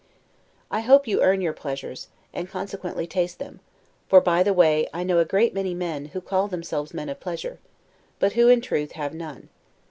I hope you earn your pleasures, and consequently taste them; for, by the way, I know a great many men, who call themselves men of pleasure, but who, in truth, have none.